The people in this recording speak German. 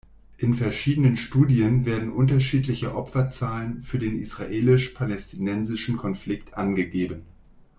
In verschiedenen Studien werden unterschiedliche Opferzahlen für den israelisch-palästinensischen Konflikt angegeben.